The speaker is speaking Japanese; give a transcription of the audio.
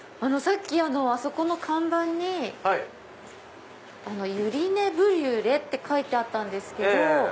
さっきあそこの看板に百合根ブリュレって書いてあったんですけど。